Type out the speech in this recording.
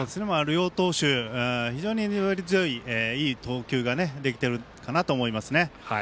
両投手、非常に粘り強いいい投球ができているかなと思いますね。